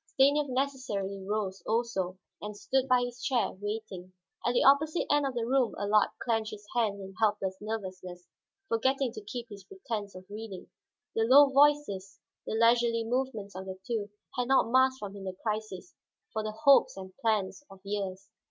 Stanief necessarily rose also, and stood by his chair, waiting. At the opposite end of the room Allard clenched his hands in helpless nervousness, forgetting to keep his pretense of reading. The low voices, the leisurely movements of the two, had not masked from him the crisis for the hopes and plans of years.